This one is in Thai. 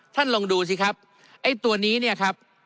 ท่านลองดูสิครับไอ้ตัวนี้เนี่ยครับ